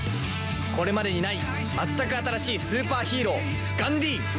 これまでにない全く新しいスーパーヒーローガンディーン！